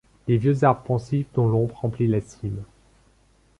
Les vieux arbres pensifs dont l'ombre emplit la cime